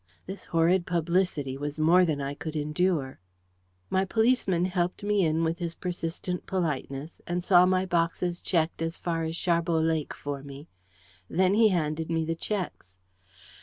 This horrid publicity was more than I could endure. My policeman helped me in with his persistent politeness, and saw my boxes checked as far as Sharbot Lake for me. Then he handed me the checks.